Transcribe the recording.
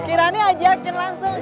iya kiranya ajakin langsung